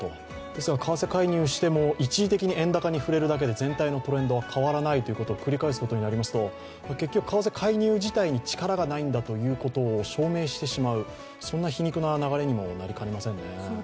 ですが為替介入しても一時的に円高に振れるだけで全体のトレンドは変わらないということを繰り返すだけになりますと結局、為替介入自体に力がないんだということを証明してしまうそんな皮肉な流れにもなりかねませんね。